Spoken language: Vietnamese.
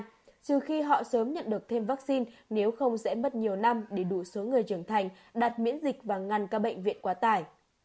nhưng khi họ sớm nhận được thêm vaccine nếu không dễ mất nhiều năm để đủ số người trưởng thành đạt miễn dịch và ngăn các bệnh viện quá tải